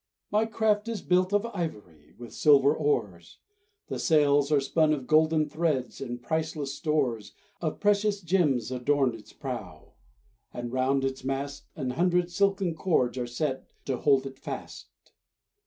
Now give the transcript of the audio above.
My craft is built of ivory, With silver oars, The sails are spun of golden threads, And priceless stores Of precious gems adorn its prow, And 'round its mast An hundred silken cords are set To hold it fast.